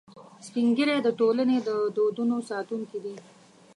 سپین ږیری د ټولنې د دودونو ساتونکي دي